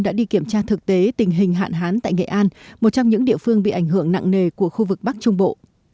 đây là thực tế tình hình hạn hán tại nghệ an một trong những địa phương bị ảnh hưởng nặng nề của khu vực bắc trung bộ